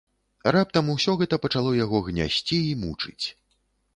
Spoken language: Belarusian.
Раптам усё гэта пачало яго гнясці і мучыць.